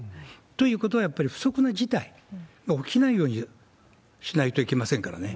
ということは、やっぱり不測の事態が起きないようにしないといけませんからね。